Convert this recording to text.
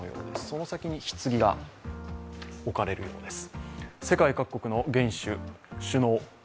その先にひつぎが置かれるようです。